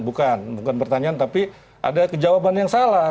bukan bukan pertanyaan tapi ada jawaban yang salah